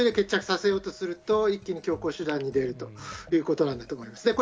そうすると一気に強硬手段に出るということなんだと思います。